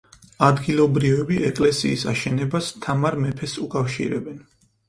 ადგილობრივები ეკლესიის აშენებას თამარ მეფეს უკავშირებენ.